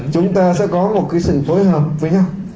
chúng ta sẽ có một cái sự phối hợp với nhau